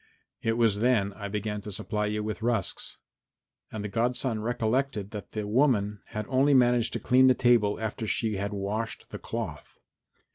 It was then I began to supply you with rusks." And the godson recollected that the woman had only managed to clean the table after she had washed the cloth.